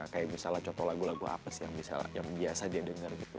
kayak misalnya contoh lagu lagu apa sih yang biasa dia dengar gitu